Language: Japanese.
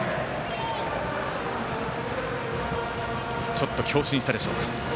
ちょっと強振したでしょうか。